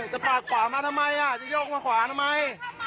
ปาดขวามาทำไมจะโยกมาขวาทำไม